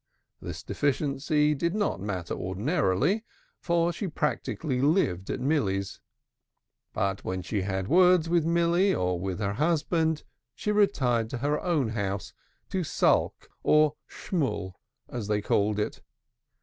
This deficiency did not matter ordinarily, for she practically lived at Milly's. But when she had words with Milly or her husband, she retired to her own house to sulk or schmull, as they called it.